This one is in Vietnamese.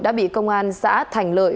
đã bị công an xã thành lợi